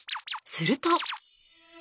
すると。